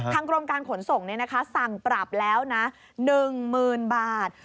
ทางกรมการขนส่งเนี่ยนะคะสั่งปรับแล้วนะ๑๐๐๐๐บาท